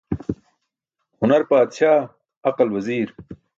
Hunar paadsaa, aqal waziir.